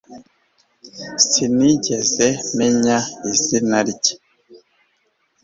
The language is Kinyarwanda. Sinigeze menya izina rye